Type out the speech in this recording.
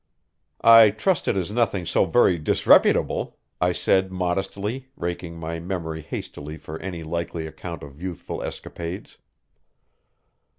"I trust it is nothing so very disreputable," I said modestly, raking my memory hastily for any likely account of youthful escapades.